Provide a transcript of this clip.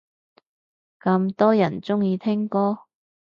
咁多人鍾意聽歌